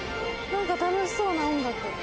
何か楽しそうな音楽。